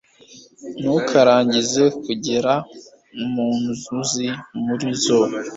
ntukarangize kugera mu nzuzi muri zo